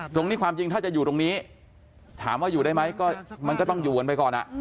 ความจริงถ้าจะอยู่ตรงนี้ถามว่าอยู่ได้ไหมก็มันก็ต้องอยู่กันไปก่อน